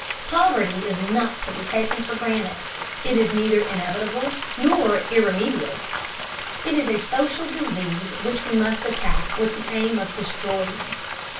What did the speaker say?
Poverty is not to be taken for granted. It is neither inevitable nor irremedial. It is a social disease which we must attack with the aim of destroying.